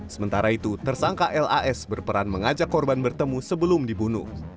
sementara itu tersangka las berperan mengajak korban bertemu sebelum dibunuh